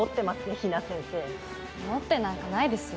比奈先生もってなんかないですよ